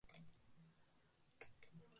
Erdi aroko musika giroa.